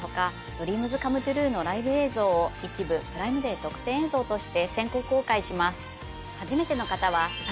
ＤＲＥＡＭＳＣＯＭＥＴＲＵＥのライブ映像を一部プライムデー特典映像として先行公開します。